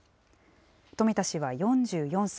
富田氏は４４歳。